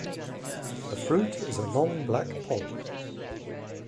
The fruit is a long black pod.